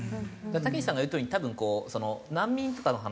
たけしさんが言うとおり多分こう難民とかの話